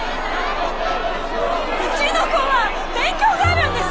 うちの子は勉強があるんです。